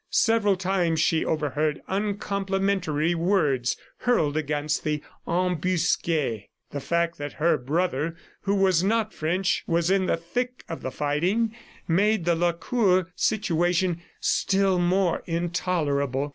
Several times, she overheard uncomplimentary words hurled against the "embusques." The fact that her brother who was not French was in the thick of the fighting, made the Lacour situation still more intolerable.